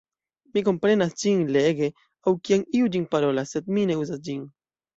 Mi komprenas ĝin lege aŭ kiam iu ĝin parolas, sed mi ne uzas ĝin.